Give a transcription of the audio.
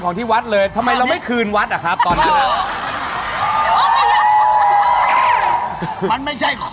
ก็กินฟิมือน่ะสม